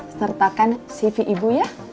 sertakan cv ibu ya